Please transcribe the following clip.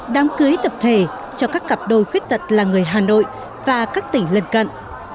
đám cưới tập thể cho các cặp đôi khuyết tật là người hà nội và các tỉnh lân cận